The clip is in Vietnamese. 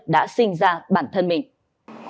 đã sinh ra bản thân mình